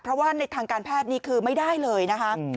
เพราะว่าในทางการแพทย์นี่คือไม่ได้เลยนะคะ